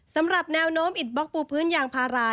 สำหรับแนวโน้มอิดบล็อกปูพื้นยางพารา